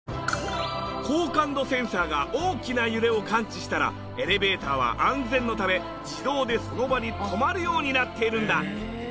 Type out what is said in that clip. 高感度センサーが大きな揺れを感知したらエレベーターは安全のため自動でその場に止まるようになっているんだ。